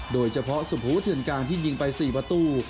โดยเฉพาะสุภูเถื่อนกลางที่ยิงไป๔ประตู